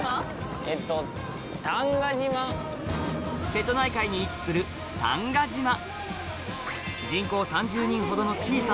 瀬戸内海に位置する男鹿島な